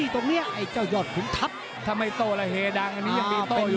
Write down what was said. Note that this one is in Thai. ตรงเนี้ยไอ้เจ้าหยอดภูมิทัพทำไมโตละเฮดังอันนี้ยังมีโต้อยู่